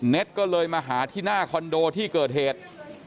ก็เลยมาหาที่หน้าคอนโดที่เกิดเหตุ